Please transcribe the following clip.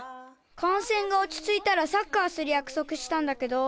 かんせんがおちついたらサッカーするやくそくしたんだけど。